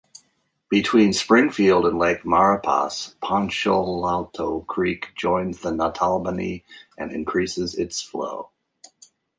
Between Springfield and Lake Maurepas, Ponchatoula Creek joins the Natalbany and increases its flow.